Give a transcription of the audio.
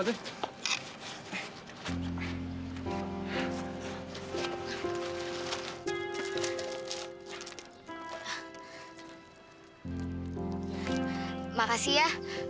terima kasih ya